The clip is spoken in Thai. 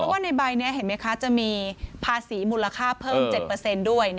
เพราะว่าในใบนี้เห็นไหมคะจะมีภาษีมูลค่าเพิ่ม๗เปอร์เซ็นต์ด้วย